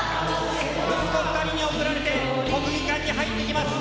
息子２人に送られて、国技館に入ってきます。